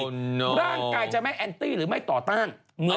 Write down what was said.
ร่างกายจะไม่แอนตี้หรือไม่ต่อต้าน